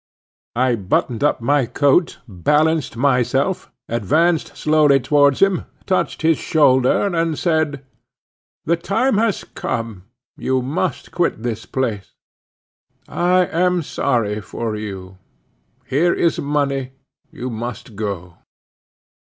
I buttoned up my coat, balanced myself; advanced slowly towards him, touched his shoulder, and said, "The time has come; you must quit this place; I am sorry for you; here is money; but you must go."